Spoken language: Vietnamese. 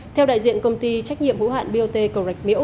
theo đại diện công ty trách nhiệm hữu hạn bot cầu rạch miễu